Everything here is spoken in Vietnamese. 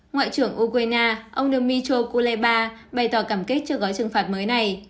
ngoại trưởng ukraine ông demytro kuleba bày tỏ cảm kích cho gói trừng phạt mới này